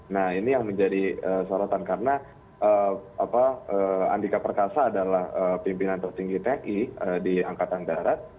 nah ini yang menjadi sorotan karena andika perkasa adalah pimpinan tertinggi tni di angkatan darat